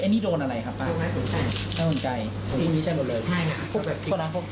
อันนี้โดนอะไรครับ